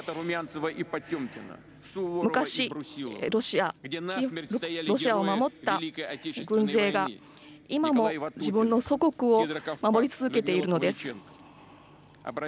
昔、ロシアを守った軍勢が今も自分の祖国を守り続けているのです。